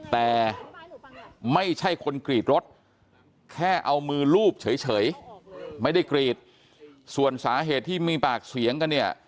แต่ไม่ใช่คนกรีดรถแค่เอามือลูบเฉยไม่ได้กรีดส่วนสาเหตุที่มีปากเสียงกันเนี่ย